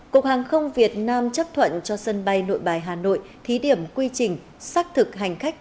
cục hàng không việt nam chấp thuận cho sân bay nội bài hà nội thí điểm quy trình xác thực hành khách